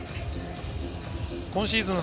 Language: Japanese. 今シーズン